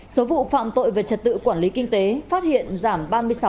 số vụ phạm tội về trật tự quản lý kinh tế phát hiện giảm ba mươi sáu sáu mươi tám